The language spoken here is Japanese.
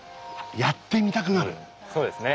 そうですね。